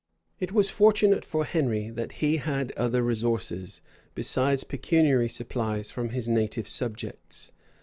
It was fortunate for Henry that he had other resources, besides pecuniary supplies from his native subjects.